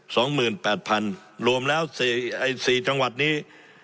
สองหมื่นแปดพันรวมแล้วสี่ไอ้สี่จังหวัดนี้